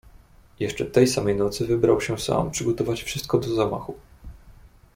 "Jeszcze tej samej nocy wybrał się sam przygotować wszystko do zamachu."